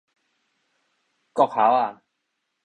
國校仔